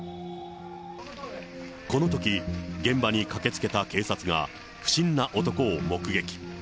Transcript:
このとき、現場に駆けつけた警察が、不審な男を目撃。